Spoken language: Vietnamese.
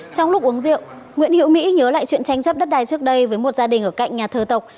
trong lúc uống rượu nguyễn hiễu mỹ nhớ lại chuyện tranh chấp đất đài trước đây với một gia đình ở cạnh nhà thờ tộc